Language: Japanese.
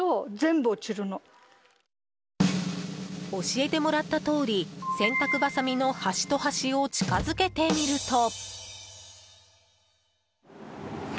教えてもらったとおり洗濯ばさみの端と端を近づけてみると。